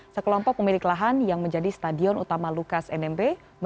sekelompok pemilik lahan yang menjadi stadion utama lukas nmb